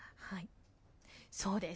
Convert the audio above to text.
そうです。